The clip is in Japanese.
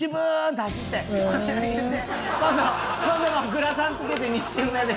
グラサンつけて２周目で。